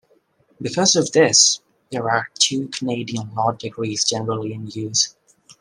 Because of this, there are two Canadian law degrees generally in use.